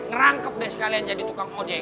ngerangkep deh sekalian jadi tukang ojek